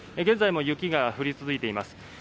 現在も雪が降り続いています。